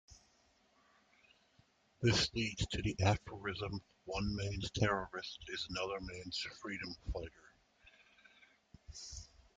This leads to the aphorism "one man's terrorist is another man's freedom fighter".